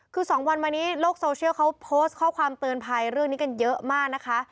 คือ๒วันมานี้โลกโซเชียลเขาโพสต์ข้อความเตือนภัยเรื่องนี้กันเยอะมากนะคะ